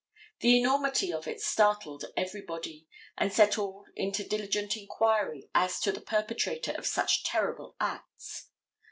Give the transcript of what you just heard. The enormity of it startled everybody, and set all into diligent inquiry as to the perpetrator of such terrible acts.